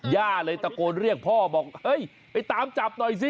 ย่าเลยตะโกนเรียกพ่อบอกเฮ้ยไปตามจับหน่อยสิ